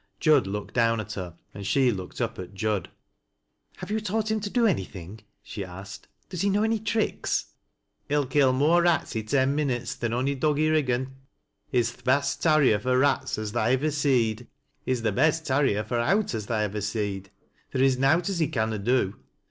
Jud looked down at her, and she looked up at Jud. " Have you taught him to do anything ?" she asked. " Does he know any tricks ?"" He'll kill more rats i' ten minutes than ony dog i' Kiggan. He's th' best tarrier fur rats as tha ivver seed. He's th' best tarrier for owt as tha ivver seed. Theer in nowt as he canna do.